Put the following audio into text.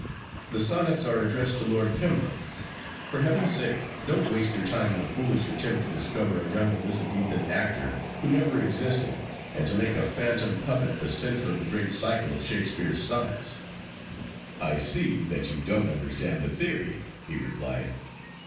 The Sonnets are addressed to Lord Pembroke. For heaven's sake don't waste your time in a foolish attempt to discover a young Elizabethan actor who never existed, and to make a phantom puppet the centre of the great cycle of Shakespeare's Sonnets.' 'I see that you don't understand the theory,' he replied.